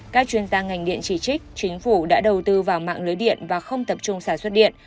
các chuyên gia ngành điện chỉ trích chính phủ đã đầu tư vào mạng lưới điện và không tập trung sản xuất điện